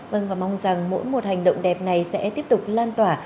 vâng và mong rằng mỗi một hành động đẹp này sẽ tiếp tục lan tỏa